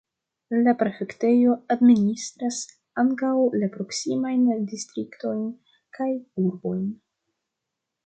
La prefektejo administras ankaŭ la proksimajn distriktojn kaj urbojn.